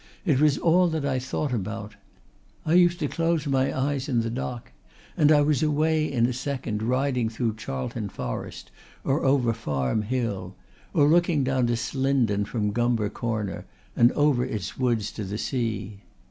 It was all that I thought about. I used to close my eyes in the dock and I was away in a second riding through Charlton Forest or over Farm Hill, or looking down to Slindon from Gumber Corner, and over its woods to the sea.